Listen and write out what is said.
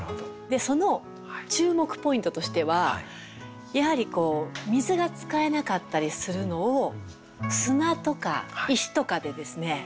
その注目ポイントとしてはやはりこう水が使えなかったりするのを砂とか石とかでですね